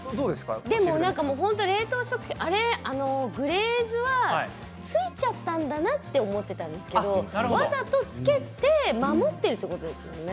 でも冷凍食品、グレーズはついちゃったんだなと思っていたんですけどわざとつけて守っているということなんですね。